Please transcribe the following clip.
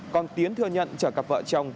còn tiến thừa nhận trở cặp vợ chồng